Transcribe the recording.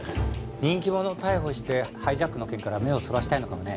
人気者を逮捕してハイジャックの件から目をそらしたいのかもね。